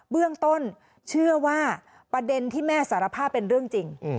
เบื้องต้นเชื่อว่าประเด็นที่แม่สารภาพเป็นเรื่องจริง